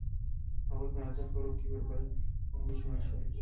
هغوی په نازک غروب کې پر بل باندې ژمن شول.